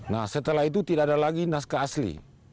nah setelah itu tidak ada lagi naskah asli